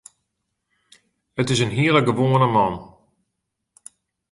It is in hiele gewoane man.